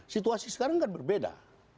situasi sekarang kan berbeda